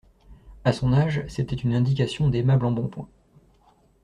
A son âge, c'était une indication d'aimable embonpoint.